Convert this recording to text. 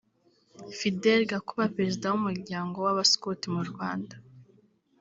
Fidel Gakuba Perezida w’Umuryango w’Abaskuti mu Rwanda